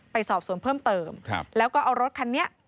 ไปสอบสวนเพิ่มเติมแล้วก็เอารถคันนี้